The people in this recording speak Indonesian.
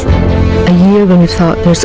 sulit sadari demam punye councillor